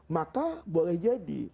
maka boleh jadi